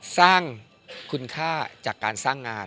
สร้างคุณค่าจากการสร้างงาน